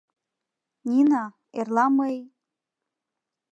— Нина, эрла мый...